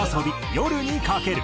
『夜に駆ける』。